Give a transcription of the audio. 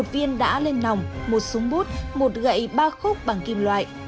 một viên đã lên nòng một súng bút một gậy ba khúc bằng kim loại